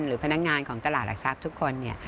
พนักงานของตลาดหลักทรัพย์ทุกคน